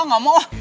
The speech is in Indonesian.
ah gak mau ah